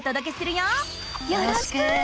よろしく！